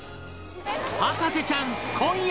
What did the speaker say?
『博士ちゃん』今夜！